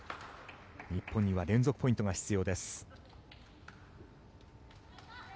日本には連続ポイントが必要です。